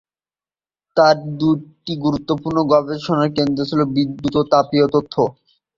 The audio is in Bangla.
তাঁর দুটি গুরুত্বপূর্ণ গবেষণা ক্ষেত্র ছিল বিদ্যুৎ ও তাপীয় তত্ত্ব।